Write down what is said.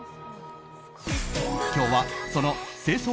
今日はその清掃